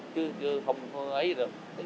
chứ không ấy đâu